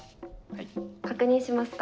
確認しますか。